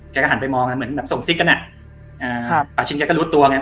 แกก็หันไปมองแล้วเหมือนแบบส่งซิกน่ะอ่าปาชินแกก็รู้ตัวไง